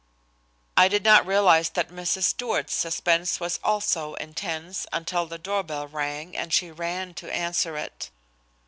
I did not realize that Mrs. Stewart's suspense was also intense until the door bell rang and she ran to answer it.